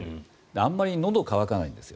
あまりのどが渇かないんですよ。